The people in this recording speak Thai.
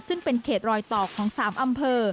ซึ่งเป็นเขตรอยต่อของ๓อำเภอ